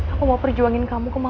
aku mau perjuangin kamu ke mamaku